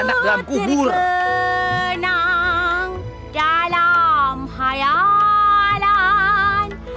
tidak kenang dalam khayalan